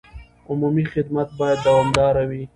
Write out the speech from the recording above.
عمومي خدمت باید دوامداره وي.